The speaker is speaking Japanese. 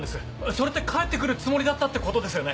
それって帰って来るつもりだったってことですよね？